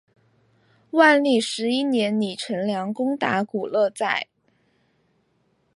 万历十一年李成梁攻打古勒寨。